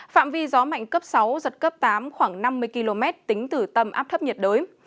phạm vi gió mạnh cấp sáu giật cấp tám khoảng năm mươi km tính từ tâm áp thấp nhiệt đới